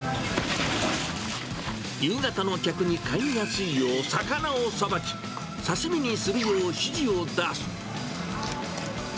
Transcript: ヤガラ、夕方の客に買いやすいよう、魚をさばき、刺身にするよう指示を出す。